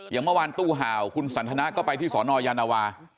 อย่างเมื่อวานตู้ห่าวคุณสันทนาก็ไปที่สนยานวา